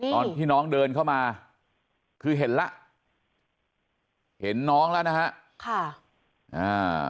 ตอนที่น้องเดินเข้ามาคือเห็นแล้วเห็นน้องแล้วนะฮะค่ะอ่า